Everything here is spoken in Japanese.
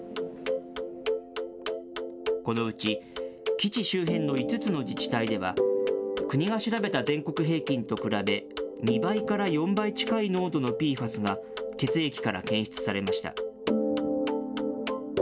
このうち、基地周辺の５つの自治体では、国が調べた全国平均と比べ、２倍から４倍近い濃度のＰＦＡＳが血液から検出されました。